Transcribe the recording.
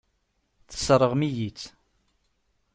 Tesseṛɣem-iyi-tt.